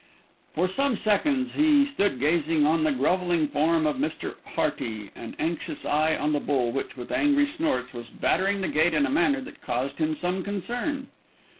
For some seconds he stood gazing down on the grovelling form of Mr. Hearty, an anxious eye on the bull which, with angry snorts, was battering the gate in a manner that caused him some concern.